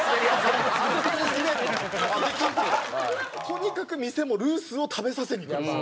とにかく店もルースを食べさせにくるんですよね。